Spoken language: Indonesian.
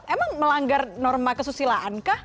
emang melanggar norma kesusilaankah